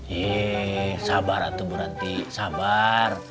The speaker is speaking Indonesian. yee sabar atuh buranti sabar